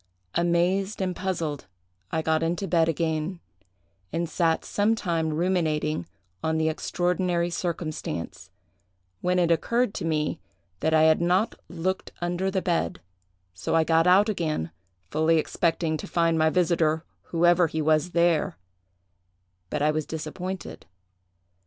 Amazed and puzzled I got into bed again, and sat some time ruminating on the extraordinary circumstance, when it occurred to me that I had not looked under the bed; so I got out again, fully expecting to find my visiter, whoever he was, there; but I was disappointed.